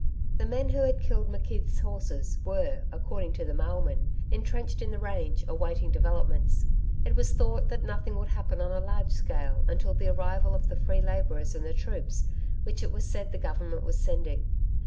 The men who had killed McKeith's horses were, according to the mailman, entrenched in the Range, awaiting developments. It was thought that nothing would happen on a large scale until the arrival of the free labourers and the troops, which it was said the Government was sending.